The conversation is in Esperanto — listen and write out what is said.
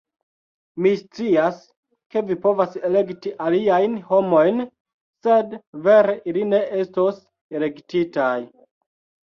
Mi scias, ke vi povas elekti aliajn homojn sed vere ili ne estos elektitaj